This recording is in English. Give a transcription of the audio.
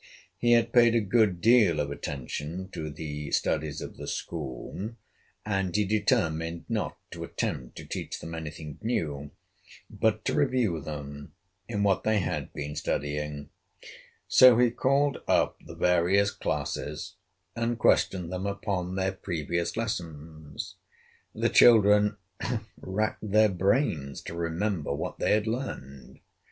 He had paid a good deal of attention to the studies of the school, and he determined not to attempt to teach them any thing new, but to review them in what they had been studying; so he called up the various classes, and questioned them upon their previous lessons. The children racked their brains to remember what they had learned.